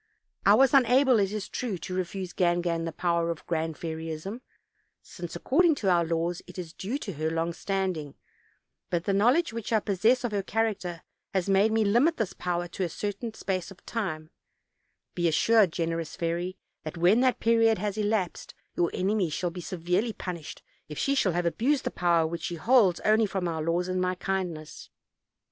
I was unable, it is true, to refuse Gangan the power of Grand Fairyism, since, ac cording to our laws, it is due to her long standing; but the knowledge which I possess of her character has made me limit this power to a certain space of time; be as sured, generous fairy, that when that period has elapsed your enemy shall be severely punished if she shall have abused the power which she holds only from our laws and my kindness.